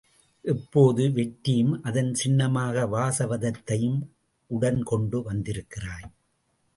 இப்போது வெற்றியையும் அதன் சின்னமாக வாசவதத்தையையும் உடன்கொண்டு வந்திருக்கிறாய்!